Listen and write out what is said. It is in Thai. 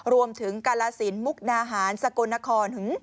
รวมถึงกาลสินมุกนาหารสกลนคร